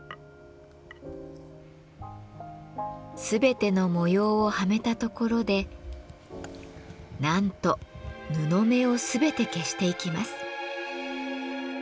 全ての模様をはめたところでなんと布目を全て消していきます。